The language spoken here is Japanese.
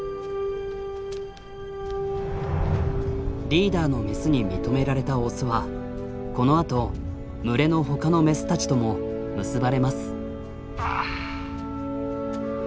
リーダーのメスに認められたオスはこのあと群れのほかのメスたちとも結ばれます。